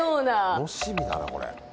楽しみだなこれ。